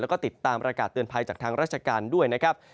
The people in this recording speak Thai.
แล้วก็ติดตามประกาศเตือนภัยจากทางราชการด้วยนะครับ